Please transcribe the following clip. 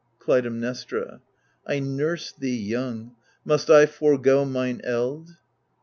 Clytemnestra I nursed thee young ; must I forego mine eld